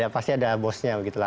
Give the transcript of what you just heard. pasti ada bosnya begitu lah